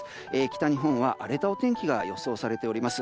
北日本は荒れたお天気が予想されております。